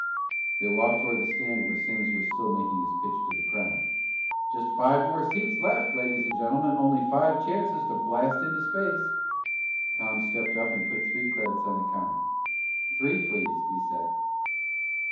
They walked toward the stand where Simms was still making his pitch to the crowd. "Just five more seats left, ladies and gentlemen, only five chances to blast into space ..." Tom stepped up and put three credits on the counter. "Three, please," he said.